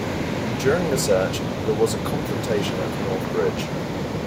During the search, there was a confrontation at the North Bridge.